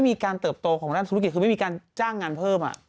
มีการเติบโตของด้านธุรกิจคือไม่มีการจ้างงานเพิ่ม